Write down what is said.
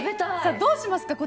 どうしますか？